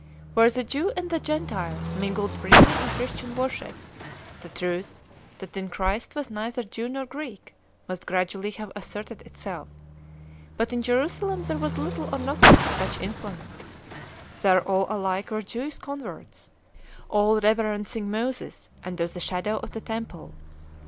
Where the Jew and the Gentile mingled freely in Christian worship, the truth that in Christ was neither Jew nor Greek must gradually have asserted itself; but in Jerusalem there was little or nothing of such influence; there all alike were Jewish converts, all reverencing Moses under the shadow of the Temple.